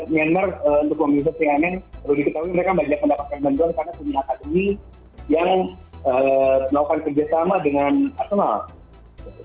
myanmar untuk komunitas tnn mereka banyak mendapatkan bantuan karena punya akademi yang melakukan kerjasama dengan arsenal